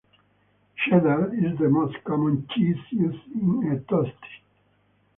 Cheddar is the most common cheese used in a toastie.